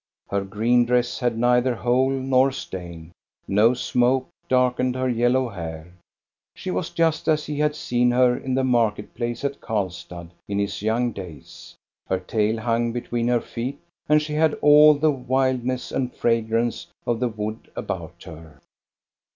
Her green dress had neither hole nor stain, no smoke darkened her yellow hair. She was just as he had KEVENHULLER 427 seen her in the market place at Karlstad in his young days ; her tail hung between her feet, and she had all the wildness and fragrance of the wood about her.